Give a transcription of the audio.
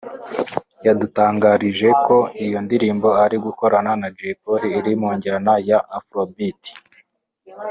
yadutangarije ko iyo ndirimbo ari gukorana na Jay Polly iri mu njyana ya Afrobeat